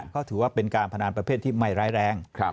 ก็ถือว่าเป็นการพนันประเภทที่ไม่ร้ายแรง